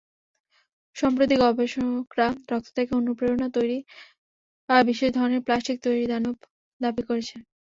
সম্প্রতি গবেষকরা রক্ত থেকে অনুপ্রেরণা তৈরি বিশেষ ধরনের প্লাস্টিক তৈরির দাবি করেছেন।